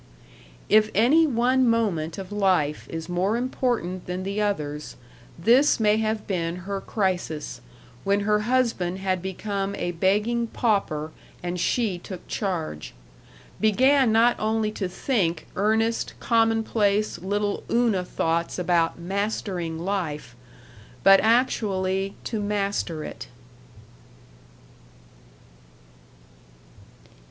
If any one moment of life is more important than the others, this may have been her crisis, when her husband had become a begging pauper and she took charge; began not only to think earnest, commonplace, little Una thoughts about "mastering life," but actually to master it.